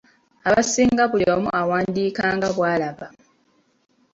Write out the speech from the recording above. Abasinga buli omu awandiika nga bw’alaba.